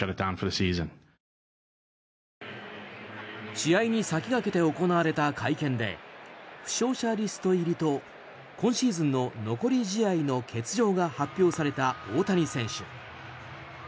試合に先駆けて行われた会見で負傷者リスト入りと今シーズンの残り試合の欠場が発表された大谷選手。